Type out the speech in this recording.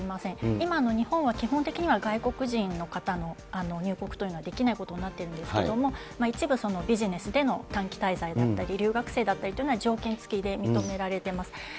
今、日本は基本的には外国人の方の入国というのはできないことになってるんですけども、一部ビジネスでの短期滞在だったり、留学生だったりというのは条件付きで認められてます。